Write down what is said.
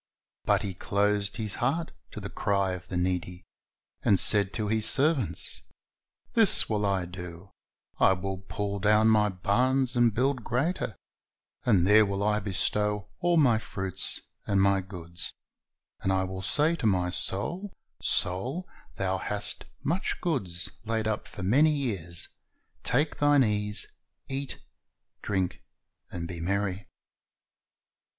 But he closed his heart to the cry of the needy, and said to ' Ps. 68: 10 Gain That Is Loss 257 his servants, "This will I do: I will pull down my barns, and build <^reater; and there will I bestow all my fruits and my goods. And I will say to my soul. Soul, thou hast much goods laid up for many years; take thine ease, eat, drink, and be merry."